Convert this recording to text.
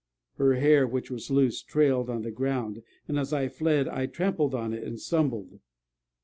Her hair, which was loose, trailed on the ground; and, as I fled, I trampled on it and stumbled.